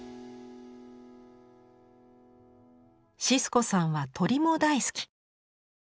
シスコさんは鳥も大好き。